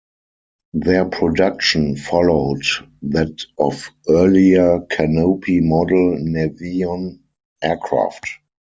Their production followed that of earlier canopy-model Navion aircraft.